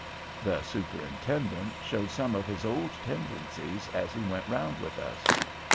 The Superintendent showed some of his old tendencies, as he went round with us.